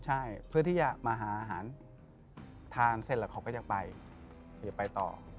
ใช่เพื่อที่จะมาหาอาหารทานเสร็จแล้วเขาก็จะไปเดี๋ยวไปต่อ